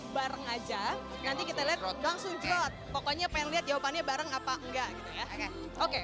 bareng aja nanti kita langsung jod pokoknya pengen lihat jawabannya bareng apa enggak oke